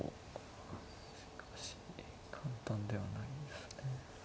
しかし簡単ではないんですね。